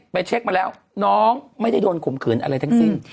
เช็คมาแล้วน้องไม่ได้โดนข่มขืนอะไรทั้งสิ้น